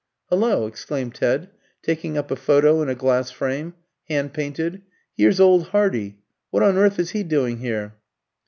"Hullo!" exclaimed Ted, taking up a photo in a glass frame, hand painted, "here's old Hardy! What on earth is he doing here?"